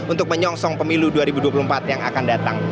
untuk menyongsong pemilu dua ribu dua puluh empat yang akan datang